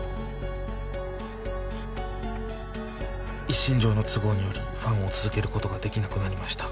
「一身上の都合により、ファンを続けることができなくなりました。